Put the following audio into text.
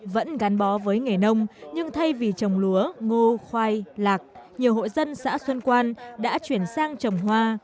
vẫn gắn bó với nghề nông nhưng thay vì trồng lúa ngô khoai lạc nhiều hội dân xã xuân quan đã chuyển sang trồng hoa